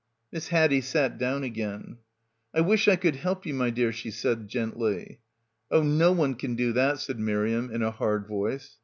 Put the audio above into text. Miss Haddie sat down again. "I wish I could help ye, my dear," she said gently. "Oh, no one can do that," said Miriam in a hard voice.